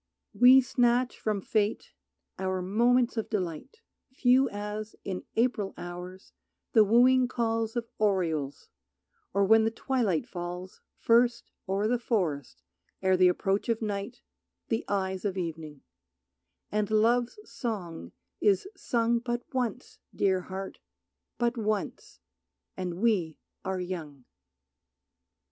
We snatch from Fate our moments of delight, Few as, in April hours, the wooing calls Of orioles, or when the twilight falls First o'er the forest ere the approach of night The eyes of evening; and Love's song is sung But once, Dear Heart, but once, and we are young.